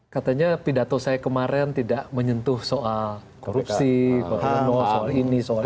katanya pidato saya kemarin tidak menyentuh soal korupsi soal ini soal